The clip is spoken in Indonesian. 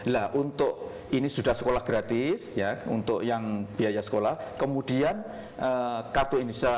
lah untuk ini sudah sekolah gratis ya untuk yang biaya sekolah kemudian kartu indonesia